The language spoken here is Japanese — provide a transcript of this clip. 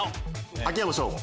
秋山翔吾。